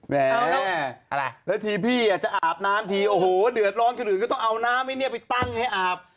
แม่อะไรแล้วทีพี่จะอาบน้ำทีโอ้โหเดือดร้อนคนอื่นก็ต้องเอาน้ำไอ้เนี่ยไปตั้งให้อาบ